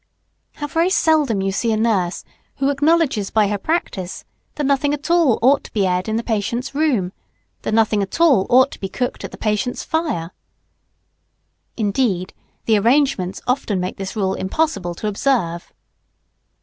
How very seldom you see a nurse who acknowledges by her practice that nothing at all ought to be aired in the patient's room, that nothing at all ought to be cooked at the patient's fire! Indeed the arrangements often make this rule impossible to observe.